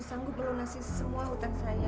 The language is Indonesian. sanggup melunasi semua hutan saya